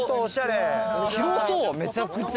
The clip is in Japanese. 広そうめちゃくちゃ。